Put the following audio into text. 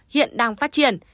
hiện đang phát triển